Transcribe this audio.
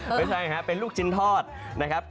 ไม่ใช่ครับเป็นลูกชิ้นทอดนะครับ